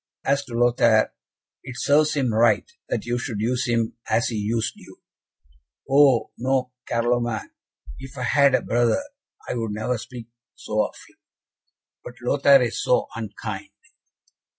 "As to Lothaire, it serves him right, that you should use him as he used you." "Oh, no, Carloman; if I had a brother I would never speak so of him." "But Lothaire is so unkind."